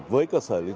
và các trạm đăng kiểm